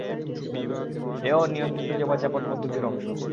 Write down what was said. এও নিয়ন্ত্রিত জীবনযাপন পদ্ধতির অংশ।